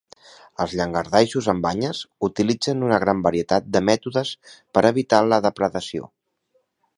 Els llangardaixos amb banyes utilitzen una gran varietat de mètodes per evitar la depredació.